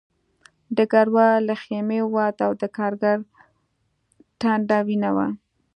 ډګروال له خیمې ووت او د کارګر ټنډه وینه وه